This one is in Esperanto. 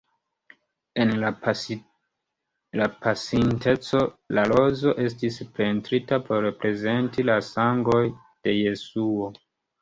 En la pasinteco la rozo estis pentrita por reprezenti la sangon de Jesuo.